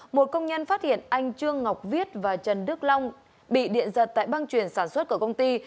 một công nhân phát hiện anh trương ngọc viết và trần đức long bị điện giật tại băng chuyển sản xuất của công ty